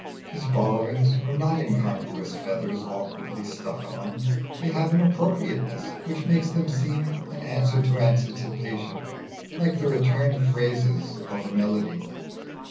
His borrowings are no incongruous feathers awkwardly stuck on; they have an appropriateness which makes them seem an answer to anticipation, like the return phrases of a melody.